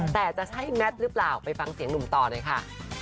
แต่จะใช่แมทหรือเปล่าไปฟังเสียงหนุ่มต่อหน่อยค่ะ